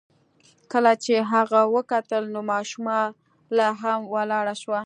کله چې هغه وکتل نو ماشومه لا هم ولاړه وه.